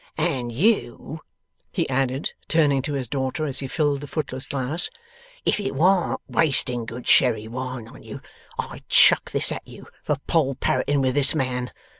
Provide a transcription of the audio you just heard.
'And you,' he added, turning to his daughter, as he filled the footless glass, 'if it warn't wasting good sherry wine on you, I'd chuck this at you, for Poll Parroting with this man.